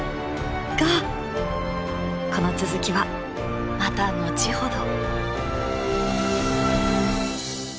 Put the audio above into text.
がこの続きはまた後ほど！